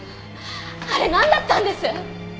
あれなんだったんです？